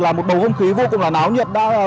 là một đầu không khí vô cùng là náo nhiệt